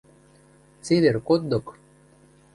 «Цевер коддок...»